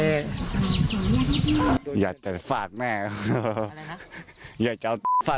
เอาแปลว่าแม่ก็รู้ไหมครับ